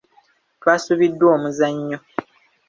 Twasubiddwa omuzannyo.